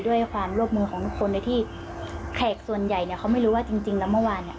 ด้วยความร่วมมือของทุกคนเลยที่แขกส่วนใหญ่เนี่ยเขาไม่รู้ว่าจริงแล้วเมื่อวานเนี่ย